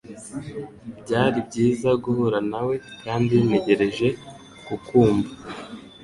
Byari byiza guhura nawe, kandi ntegereje kukwumva